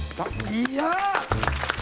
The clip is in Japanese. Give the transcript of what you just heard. いや！